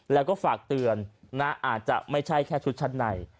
แล้วก็ฝากเตือนนะอาจจะไม่ใช่แค่ชุดชั้นใน